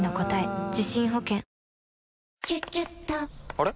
あれ？